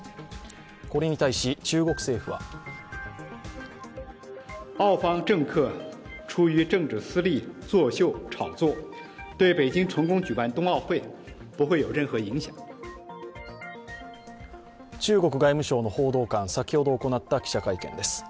これに対し、中国政府は中国外務省の報道官、先ほど行った記者会見です。